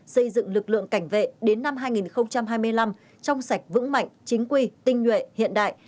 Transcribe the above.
xây dựng lực lượng cảnh vệ đến năm hai nghìn hai mươi năm trong sạch vững mạnh chính quy tinh nhuệ hiện đại